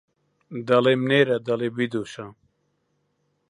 دەڵێم نێرە دەڵێ بیدۆشە